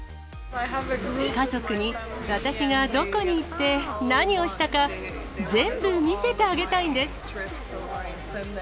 家族に私がどこに行って、何をしたか、全部見せてあげたいんです。